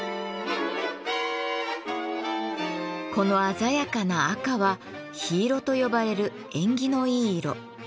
この鮮やかな赤は緋色と呼ばれる縁起のいい色。